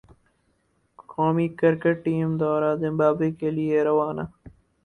قومی cricket team دورہ Zimbabwe کے لئے روانہ